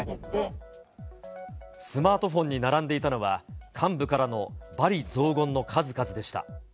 スマートフォンに並んでいたのは、幹部からの罵詈雑言の数々でした。